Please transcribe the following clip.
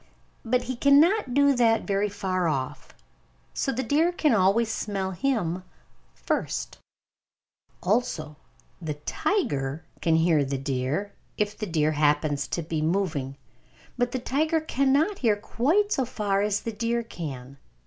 But he cannot do that very far off, so the deer always smells him first! Also, the tiger can hear the deer, if the deer happens to be moving. But the tiger cannot hear quite so far as the deer can.